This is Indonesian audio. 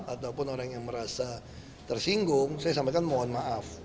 ataupun orang yang merasa tersinggung saya sampaikan mohon maaf